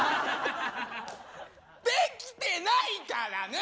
できてないからね！